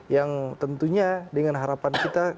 yang tentunya dengan harapan kita